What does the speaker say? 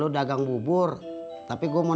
kayaknya nggak hadirin